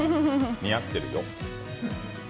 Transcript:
似合ってるよ。